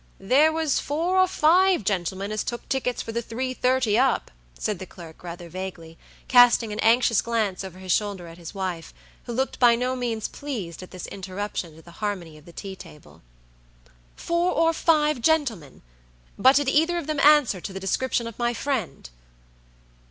"There was four or five gentlemen as took tickets for the 3.30 up," said the clerk rather vaguely, casting an anxious glance over his shoulder at his wife, who looked by no means pleased at this interruption to the harmony of the tea table. "Four or five gentlemen! But did either of them answer to the description of my friend?"